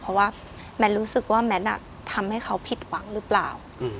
เพราะว่าแมทรู้สึกว่าแมททำให้เขาผิดหวังหรือเปล่า